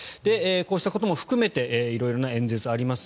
こうしたことも含めて色々な演説があります。